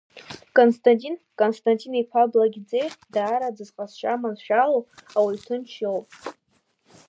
Константин Константин-иԥа Благиӡе даараӡа зҟазшьа маншәалоу ауаҩ ҭынч иоуп.